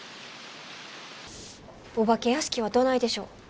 お化け屋敷はどないでしょう？